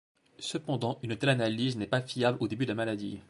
Cependant, une telle analyse n'est pas fiable au début de la maladie.